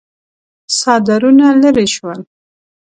څادرونه ليرې شول.